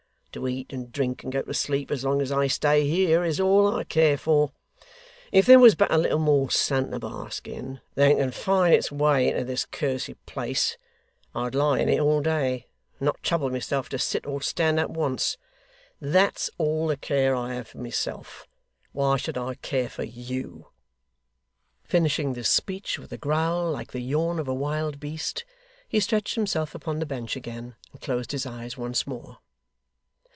To eat, and drink, and go to sleep, as long as I stay here, is all I care for. If there was but a little more sun to bask in, than can find its way into this cursed place, I'd lie in it all day, and not trouble myself to sit or stand up once. That's all the care I have for myself. Why should I care for YOU?' Finishing this speech with a growl like the yawn of a wild beast, he stretched himself upon the bench again, and closed his eyes once more.